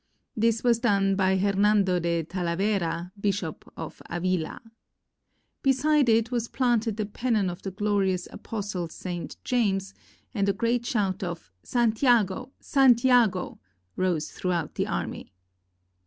This was done by Hernendo de Talavera, Bishop of Avila. Beside it was planted the pennon of the glorious apostle St. James, and a great shout of "Santiago! Santiago!" rose throughout the army.